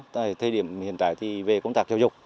tại thời điểm hiện tại thì về công tác giáo dục